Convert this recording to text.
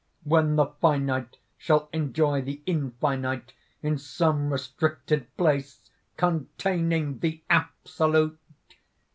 when the finite shall enjoy the infinite in some restricted place, containing the Absolute!"